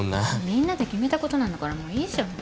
みんなで決めた事なんだからもういいじゃん。